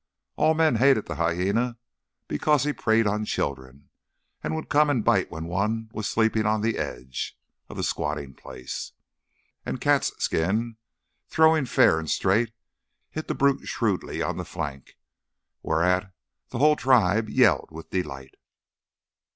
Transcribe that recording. All men hated the hyæna because he preyed on children, and would come and bite when one was sleeping on the edge of the squatting place. And Cat's skin, throwing fair and straight, hit the brute shrewdly on the flank, whereat the whole tribe yelled with delight.